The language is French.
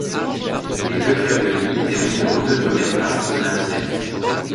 Les deux clubs de l'élite terminent aux deux premières places et se maintiennent.